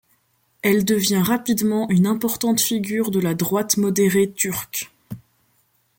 Elle devient rapidement une importante figure de la droite modérée turque.